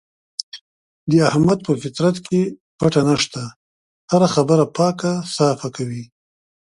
د احمد په فطرت کې پټه نشته، هره خبره پاکه صافه کوي.